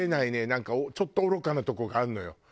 なんかちょっと愚かなとこがあるのよ。